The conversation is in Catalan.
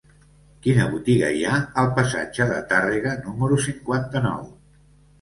Quina botiga hi ha al passatge de Tàrrega número cinquanta-nou?